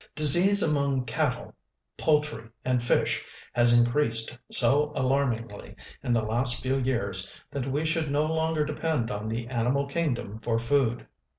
Disease among cattle, poultry, and fish has increased so alarmingly in the last few years that we should no longer depend on the animal kingdom for food.